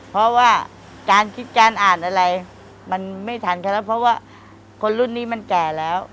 เพราะว่าการคิดการอ่านอะไรมันไม่ทันกันแล้วเพราะว่าคนรุ่นนี้มันแก่แล้ว